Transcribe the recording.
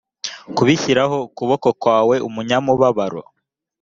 kubishyiraho ukuboko kwawe umunyamubabaro